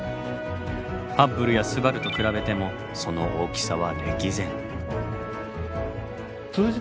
ハッブルやすばると比べてもその大きさは歴然。